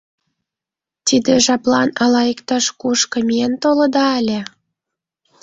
Тиде жаплан ала иктаж-кушко миен толыда ыле?